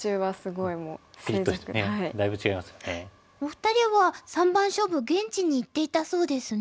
お二人は三番勝負現地に行っていたそうですね。